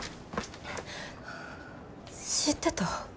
知ってた？